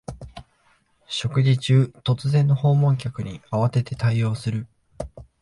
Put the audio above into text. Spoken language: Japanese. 食事中、突然の訪問客に慌てて対応する